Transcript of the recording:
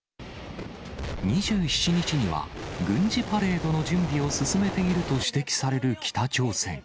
２７日には、軍事パレードの準備を進めていると指摘される北朝鮮。